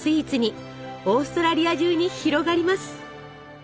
オーストラリア中に広がります。